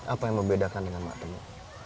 apa yang membedakan dengan waktu ini